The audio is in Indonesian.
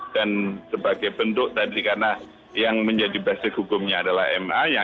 dan sebagai bentuk tadi karena yang menjadi basis hukumnya adalah ma